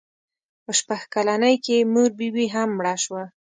په شپږ کلنۍ کې یې مور بي بي هم مړه شوه.